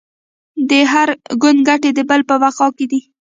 د هر ګوند ګټې د بل په بقا کې دي